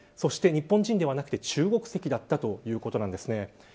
日本人ではなくて中国籍だったということです。